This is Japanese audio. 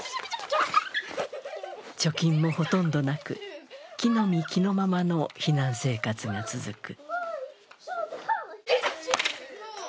貯金もほとんどなく、着のみ着のままの避難生活が続く。